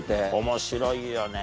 面白いよね